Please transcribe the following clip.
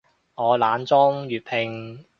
我懶裝粵拼